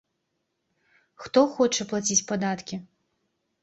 Хто хоча плаціць падаткі?